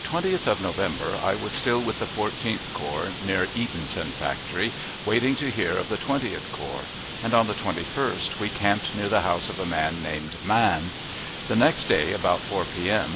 On the 20th of November I was still with the Fourteenth Corps, near Eatonton Factory, waiting to hear of the Twentieth Corps; and on the 21st we camped near the house of a man named Mann; the next day, about 4 p.m.